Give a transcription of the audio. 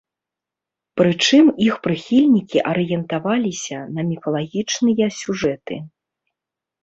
Прычым, іх прыхільнікі арыентаваліся на міфалагічныя сюжэты.